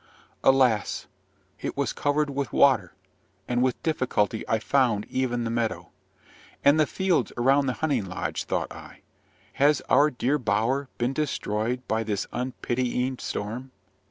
Alas! it was covered with water, and with difficulty I found even the meadow. And the fields around the hunting lodge, thought I. Has our dear bower been destroyed by this unpitying storm?